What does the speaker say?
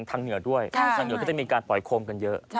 ทางเหนือด้วยทางเหนือก็จะมีการปล่อยโคมกันเยอะ